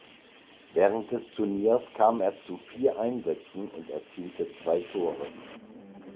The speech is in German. Während des Turniers kam er zu vier Einsätzen und erzielte zwei Tore.